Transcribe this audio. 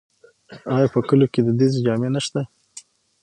آیا په کلیو کې دودیزې جامې نشته؟